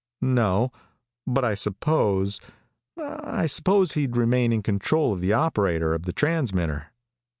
"No, but I suppose I suppose he'd remain in control of the operator of the transmitter."